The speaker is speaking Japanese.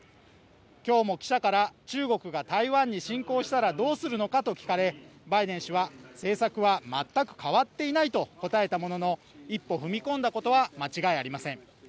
今日も記者から、中国が台湾に侵攻したらどうするのかと聞かれバイデン氏は、政策は全く変わっていないと答えたものの一歩踏み込んだことは間違いありません。